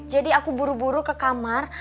jadi aku buru buru ke kamar